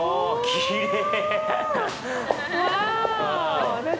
きれい。